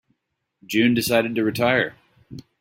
June decided to retire.